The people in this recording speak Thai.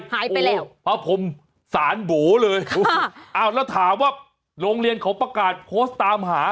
หายไปแล้วเพราะผมสารโบ๋เลยอ้าวแล้วถามว่าโรงเรียนเขาประกาศโพสต์ตามหา